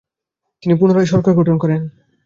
তিনি পুনরায় সরকার গঠন করেন।